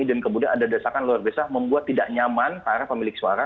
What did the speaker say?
dan kemudian ada desakan luar biasa membuat tidak nyaman para pemilik suara